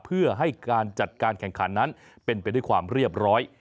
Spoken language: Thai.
เพื่อให้การจัดการแข่งขันนั้นเป็นไปด้วยความเรียบร้อย